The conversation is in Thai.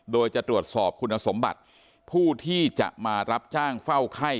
โดยจะตรวจสอบคุณสมบัติผู้ที่จะมารับจ้างเฝ้าไข้